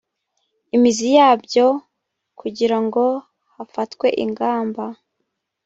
imizi yabyo kugira ngo hafatwe ingamba